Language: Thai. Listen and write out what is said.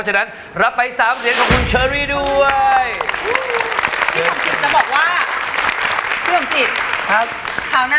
เชิญกันกันการแบบนั้น